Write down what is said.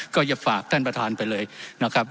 ก็จะฝากท่านประธานไปเลยนะครับ